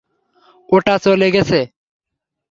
ওটা চলে গেছে।